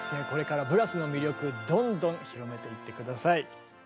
これからブラスの魅力どんどん広めていって下さい。